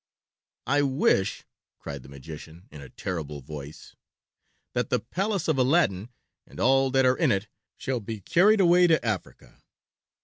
"I wish," cried the magician in a terrible voice, "that the palace of Aladdin and all that are in it shall be carried away to Africa."